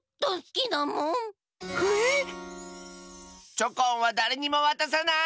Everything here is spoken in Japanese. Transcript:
チョコンはだれにもわたさない！